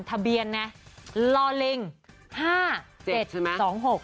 ทะเบียนลอลิง